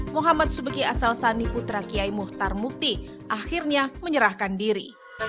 muhammad subeki asal sani putra kiai muhtar mukti akhirnya menyerahkan diri